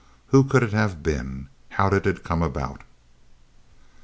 _Who could it have been? How did it come about?